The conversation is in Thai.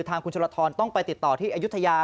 ทางคุณชลทรต้องไปติดต่อที่อายุทยา